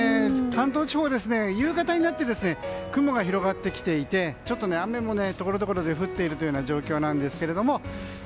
関東地方は夕方になって雲が広がってきていて雨もところどころで降っているという状況なんですけれども。